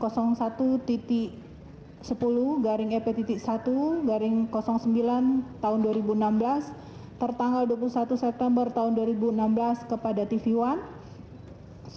tiga surat dari kepala kejaksaan negeri jakarta pusat nomor empat ratus lima puluh delapan satu sepuluh sembilan